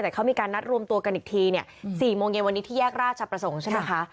แต่เขามีการนัดรวมตัวกันอีกทีเนี่ย๔โมงเย็นวันนี้ที่แยกราชประสงค์ใช่ไหมคะ